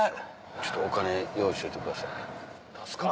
ちょっとお金用意しといてくださいね。